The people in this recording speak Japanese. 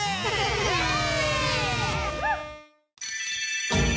イエーイ！